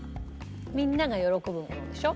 みんなが喜ぶものでしょ？